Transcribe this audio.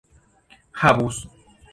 havus